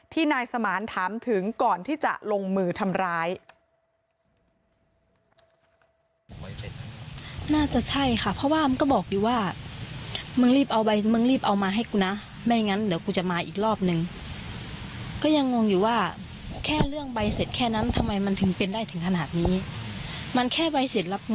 นายสมานถามถึงก่อนที่จะลงมือทำร้าย